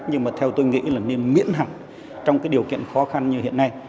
nhưng mà theo tôi nghĩ là nên miễn hẳn trong cái điều kiện khó khăn như hiện nay